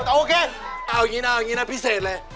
โอเคเอางี้นะพิเศษเลย